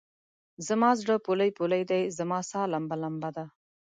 زما زړه پولۍ پولی دی، زما سا لمبه لمبه ده